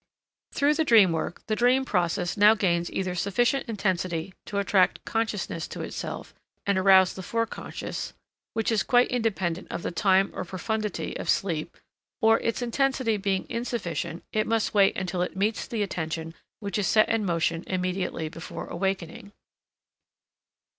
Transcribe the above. Through the dream work the dream process now gains either sufficient intensity to attract consciousness to itself and arouse the foreconscious, which is quite independent of the time or profundity of sleep, or, its intensity being insufficient it must wait until it meets the attention which is set in motion immediately before awakening.